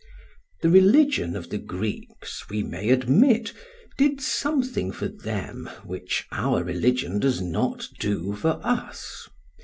The religion of the Greeks, we may admit, did something for them which our religion does not do for us.